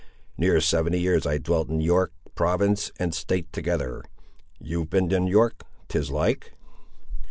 Near seventy years I dwelt in York, province and state together:—you've been in York, 'tis like?"